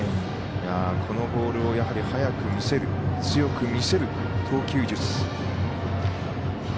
このボールをやはり速く見せる強く見せる投球術。